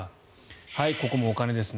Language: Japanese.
ここもお金ですね。